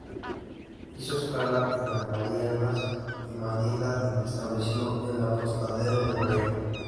Hizo escala en las Marianas y Manila, donde estableció el Apostadero de Marina.